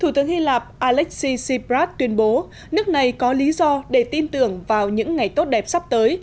thủ tướng hy lạp alexis tibrat tuyên bố nước này có lý do để tin tưởng vào những ngày tốt đẹp sắp tới